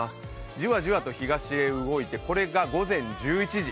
じわじわと東へ動いてこれが午前１１時。